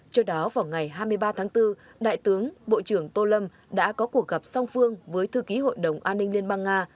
trước đó vào ngày hai mươi ba tháng bốn đại tướng bộ trưởng tô lâm đã có cuộc gặp song phương với thư ký hội đồng an ninh liên bang nga